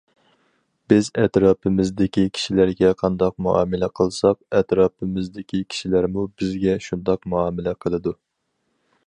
بىز ئەتراپىمىزدىكى كىشىلەرگە قانداق مۇئامىلە قىلساق، ئەتراپىمىزدىكى كىشىلەرمۇ بىزگە شۇنداق مۇئامىلە قىلىدۇ.